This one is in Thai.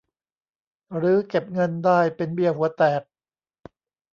หรือเก็บเงินได้เป็นเบี้ยหัวแตก